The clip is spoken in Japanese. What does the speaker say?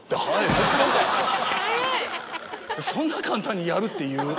そんな簡単に「やる」って言う？